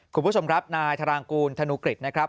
คุณผู้ชมครับนายธรางกูลธนูกฤษนะครับ